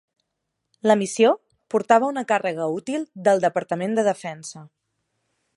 La missió portava una càrrega útil del Departament de Defensa.